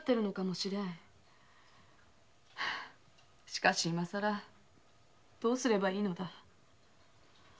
しかし今更どうすればいいのだ。